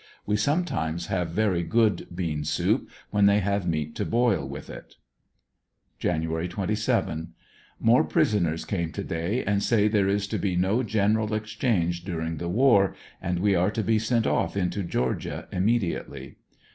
We sometimes have very good bean soup when they have meat to boil with it, Jan. 27. — More prisoners came to day and say there is to be no general exchange during the war, and we are to be sent off into Georgia immediately.